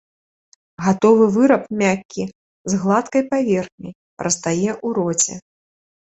Гатовы выраб мяккі, з гладкай паверхняй, растае ў роце.